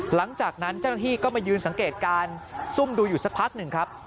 หลังจากนั้นเจ้าหน้าที่ก็มายืนสังเกตการซุ่มดูอยู่สักพักหนึ่งครับ